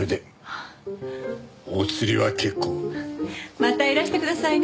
またいらしてくださいね。